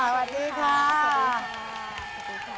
หวัดดีค่ะ